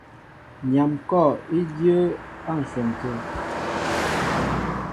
Nyam kɔ̂w í dyə́ə́ á ǹshwɛn tə̂.